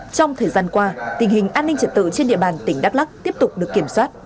trong thời gian qua tình hình an ninh trật tự trên địa bàn tỉnh đắk lắc tiếp tục được kiểm soát